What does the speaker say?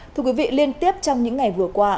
thưa quý vị liên tiếp trong những ngày vừa